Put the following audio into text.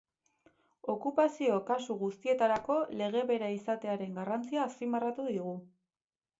Okupazio kasu guztietarako lege bera izatearen garrantzia azpimarratu digu.